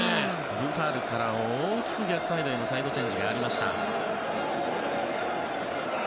ブファルから大きく逆サイドへのサイドチェンジがありました。